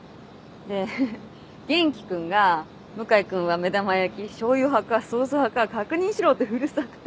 で元気君が「向井君は目玉焼きしょうゆ派かソース派か確認しろ」ってうるさくて。